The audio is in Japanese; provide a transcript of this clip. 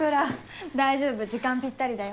大丈夫時間ぴったりだよ。